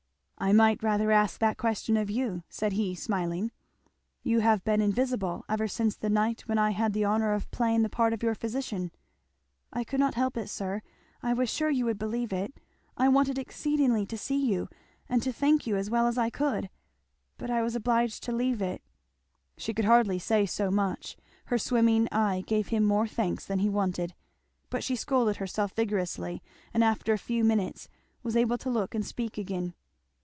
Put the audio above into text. "I might rather ask that question of you," said he smiling. "You have been invisible ever since the night when I had the honour of playing the part of your physician." "I could not help it, sir, I was sure you would believe it. I wanted exceedingly to see you and to thank you as well as I could but I was obliged to leave it " She could hardly say so much. Her swimming eye gave him more thanks than he wanted. But she scolded herself vigorously and after a few minutes was able to look and speak again.